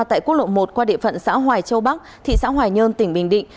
tại quốc lộ một qua địa phận xã hoài châu bắc thị xã hoài nhơn tỉnh bình định